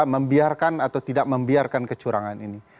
membiarkan atau tidak membiarkan kecurangan ini